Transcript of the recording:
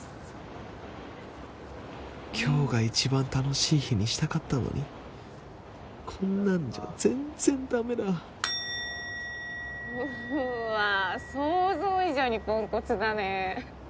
今日が一番楽しい日にしたかったのにこんなんじゃ全然ダメだうわぁ想像以上にポンコツだね。